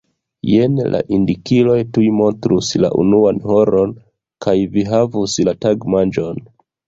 Jen la indikiloj tuj montrus la unuan horon kaj vi havus la tagmanĝon.